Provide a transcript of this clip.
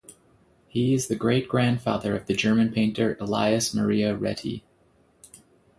He is the great-grandfather of the German painter Elias Maria Reti.